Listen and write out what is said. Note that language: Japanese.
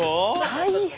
大変。